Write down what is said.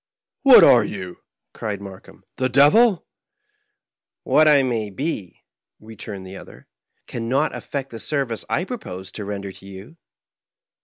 " What are you ?" cried Markheim ;" the devil ?"" What I may be," returned the other, " can not af fect the service I propose to render you."